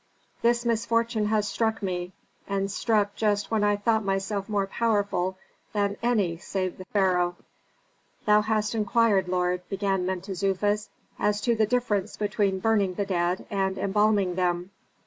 This misfortune has struck me, and struck just when I thought myself more powerful than any save the pharaoh." "Thou hast inquired, lord," began Mentezufis, "as to the difference between burning the dead and embalming them.